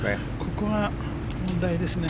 ここは問題ですね。